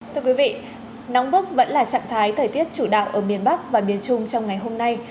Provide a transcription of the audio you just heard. thưa quý vị nóng bức vẫn là trạng thái thời tiết chủ đạo ở miền bắc và miền trung trong ngày hôm nay